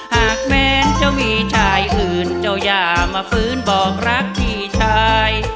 แม้จะมีชายอื่นเจ้าย่ามาฟื้นบอกรักพี่ชาย